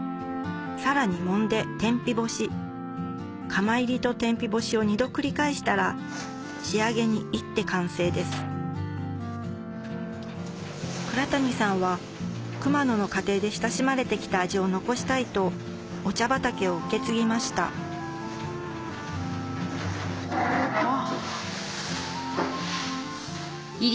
さらにもんで天日干し釜炒りと天日干しを２度繰り返したら仕上げに炒って完成です倉谷さんは熊野の家庭で親しまれてきた味を残したいとお茶畑を受け継ぎましたうわ。